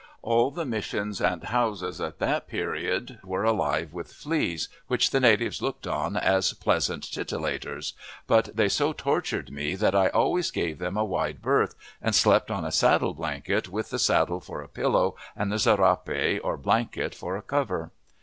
All the missions and houses at that period were alive with fleas, which the natives looked on as pleasant titillators, but they so tortured me that I always gave them a wide berth, and slept on a saddle blanket, with the saddle for a pillow and the serape, or blanket, for a cover.